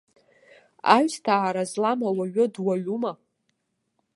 Аҩсҭаара злам ауаҩы дуаҩума!